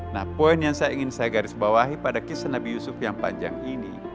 nah poin yang saya ingin saya garis bawahi pada kisah nabi yusuf yang panjang ini